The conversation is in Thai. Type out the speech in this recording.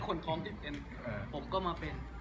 คนท้องที่เป็นผมก็มาเป็น